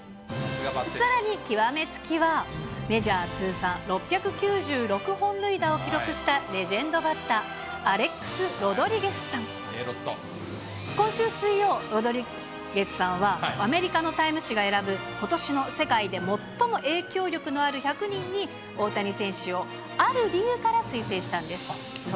さらに極めつきは、メジャー通算６９６本塁打を記録したレジェンドバッター、アレックス・ロドリゲスさん。今週水曜、ロドリゲスさんは、アメリカのタイム誌が選ぶことしの世界で最も影響力のある１００人に、大谷選手をある理由から推薦したんです。